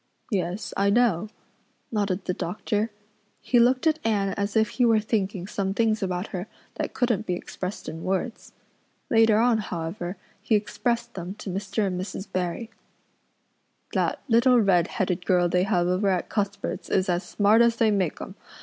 "Yes, I know," nodded the doctor. He looked at Anne as if he were thinking some things about her that couldn't be expressed in words. Later on, however, he expressed them to Mr. and Mrs. Barry. "That little redheaded girl they have over at Cuthbert's is as smart as they make 'em.